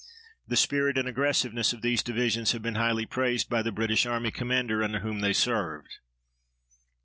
The spirit and aggressiveness of these divisions have been highly praised by the British Army commander under whom they served.